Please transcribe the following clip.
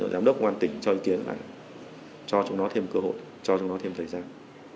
giám đốc công an tỉnh cho ý kiến là cho chúng nó thêm cơ hội cho chúng nó thêm thời gian